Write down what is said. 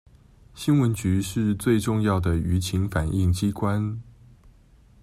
新聞局是最重要的輿情反映機關